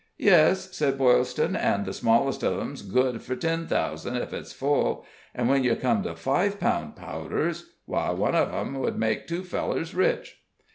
"Yes," said Boylston, "an' the smallest of 'em's good fur ten thousand, ef it's full. An' when yer come to five pound powders why, one of them would make two fellers rich!"